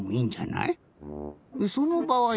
そのばあい